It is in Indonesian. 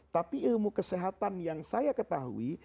tapi ilmu kesehatan yang saya ketahui